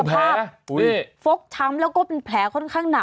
เบิร์ตลมเสียโอ้โห